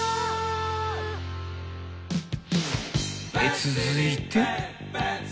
［続いて］